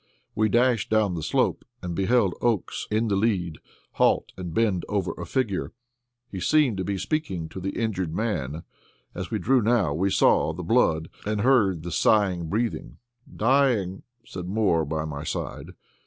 We dashed down the slope and beheld Oakes in the lead halt, and bend over a figure. He seemed to be speaking to the injured man. As we drew near, we saw the blood and heard the sighing breathing. "Dying!" said Moore, by my side.